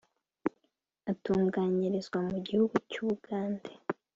atunganyirizwa mu gihugu cy’Ubugande